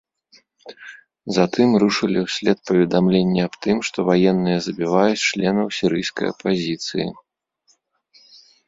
Затым рушылі ўслед паведамленні аб тым, што ваенныя забіваюць членаў сірыйскай апазіцыі.